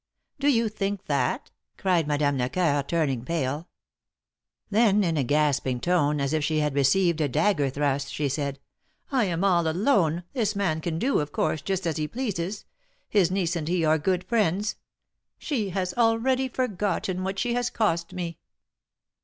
"Do you think that?" cried Madame Lecoeur, turning pale. 102 THE MARKETS OF PARIS. Then in a gasping tone, as if she had received a dagger thrust, she said : am all alone — this man can do, of course, just as he pleases — his niece and he are good friends — she has already forgotten what she has cost me."